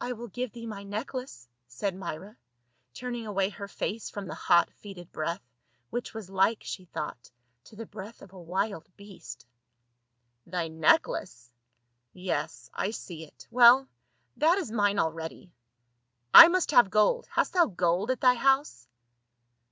"I will give thee my necklace," said Myra, turning away her face from the hot fetid breath, which was like, she thought, to the breath of a wild beast. " Thy necklace ? Yes, I see it. Well, that is mine already. I must have gold; hast thou gold at thy house